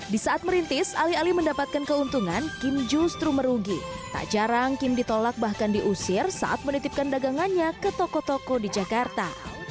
di saat merintis alih alih mendapatkan keuntungan kim justru merugi tak jarang kim ditolak bahkan diusir saat menitipkan dagangannya ke toko toko di jakarta